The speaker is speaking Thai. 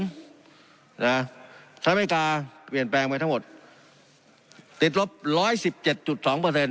สหรัฐอเมริกาเปลี่ยนแปลงไปทั้งหมดติดลบร้อยสิบเจ็ดจุดสองเปอร์เซ็น